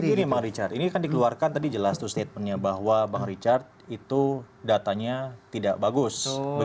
begini bang richard ini kan dikeluarkan tadi jelas tuh statementnya bahwa bang richard itu datanya tidak bagus